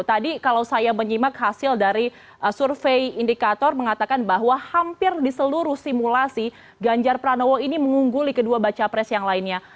tadi kalau saya menyimak hasil dari survei indikator mengatakan bahwa hampir di seluruh simulasi ganjar pranowo ini mengungguli kedua baca pres yang lainnya